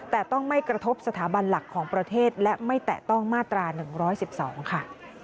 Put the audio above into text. แต่ต้องไม่กระทบสถาบันหลักของประเทศและไม่แตะต้องมาตรา๑๑๒ค่ะ